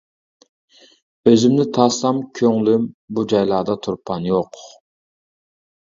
ئۆزۈمنى تارتسا كۆڭلۈم، بۇ جايلاردا تۇرپان يوق.